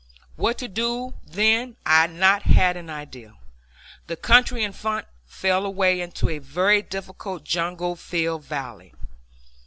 What to do then I had not an idea. The country in front fell away into a very difficult jungle filled valley.